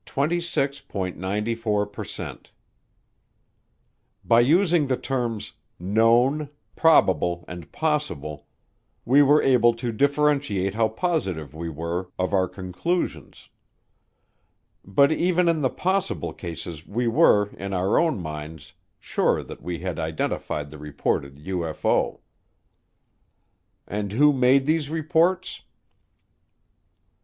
94% By using the terms "Known," "Probable," and "Possible," we were able to differentiate how positive we were of our conclusions. But even in the "Possible" cases we were, in our own minds, sure that we had identified the reported UFO. And who made these reports?